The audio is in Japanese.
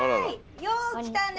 よう来たね！